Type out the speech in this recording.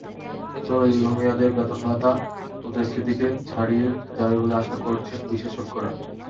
তবে দীর্ঘমেয়াদে বেতন ভাতা মুদ্রাস্ফীতিকে ছাড়িয়ে যাবে বলে আশা করছেন বিশেষজ্ঞরা।